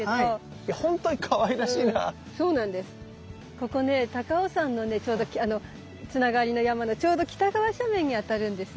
ここね高尾山のねつながりの山のちょうど北側斜面にあたるんですよ。